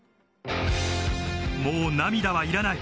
もう涙はいらない。